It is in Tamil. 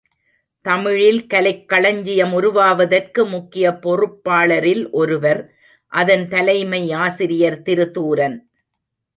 தமிழில் கலைக்களஞ்சியம் உருவாவதற்கு முக்கிய பொறுப்பாளரில் ஒருவர், அதன் தலைமை ஆசிரியர் திரு தூரன்.